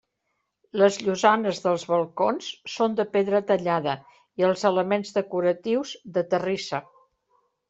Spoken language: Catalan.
Les llosanes dels balcons són de pedra tallada i els elements decoratius de terrissa.